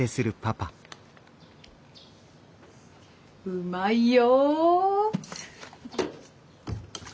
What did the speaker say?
うまいよ。